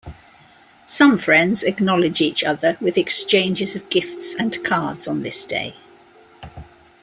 Some friends acknowledge each other with exchanges of gifts and cards on this day.